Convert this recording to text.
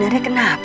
aku mau ke kamar